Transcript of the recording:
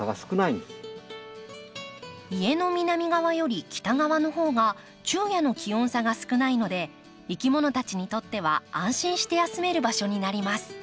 家の南側より北側の方が昼夜の気温差が少ないのでいきものたちにとっては安心して休める場所になります。